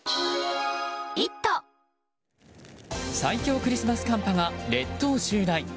最強クリスマス寒波が列島襲来。